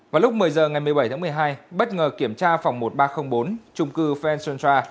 vào lúc một mươi h ngày một mươi bảy tháng một mươi hai bất ngờ kiểm tra phòng một nghìn ba trăm linh bốn trung cư phen son tra